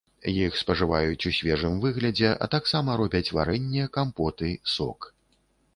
Іх спажываюць у свежым выглядзе, а таксама робяць варэнне, кампоты, сок.